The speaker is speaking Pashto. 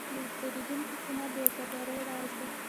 د پیرودونکي قناعت د وفادارۍ راز دی.